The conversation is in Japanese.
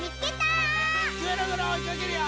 ぐるぐるおいかけるよ！